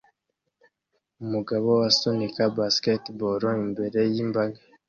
Umugabo asunika basketball imbere yimbaga